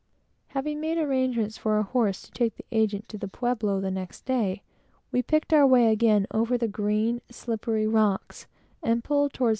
Having made our arrangements for a horse to take the agent to the Pueblo the next day, we picked our way again over the green, slippery rocks, and pulled aboard.